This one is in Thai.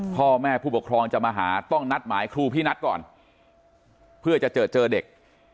พ่อแม่ผู้ปกครองจะมาหาต้องนัดหมายครูพี่นัทก่อนเพื่อจะเจอเจอเด็ก